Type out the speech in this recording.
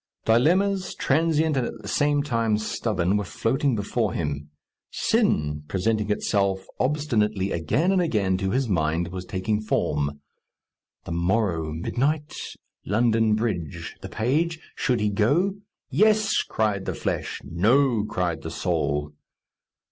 Dilemmas, transient and at the same time stubborn, were floating before him. Sin, presenting itself obstinately again and again to his mind, was taking form. The morrow, midnight? London Bridge, the page? Should he go? "Yes," cried the flesh; "No," cried the soul.